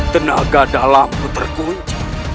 tenaga dalamku terkunci